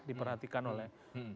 diperhatikan oleh dua ratus dua belas